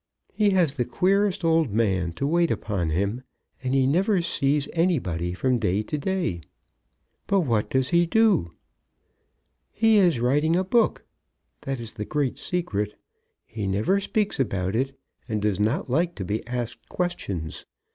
He has the queerest old man to wait upon him, and he never sees anybody from day to day." "But what does he do?" "He is writing a book. That is the great secret. He never speaks about it, and does not like to be asked questions.